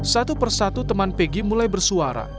satu persatu teman pg mulai bersuara